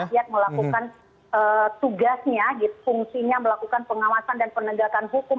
rakyat melakukan tugasnya fungsinya melakukan pengawasan dan penegakan hukum